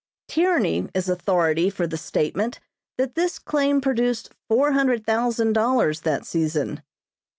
Tierney is authority for the statement that this claim produced four hundred thousand dollars that season.